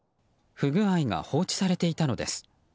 不具合が放置されていたのです。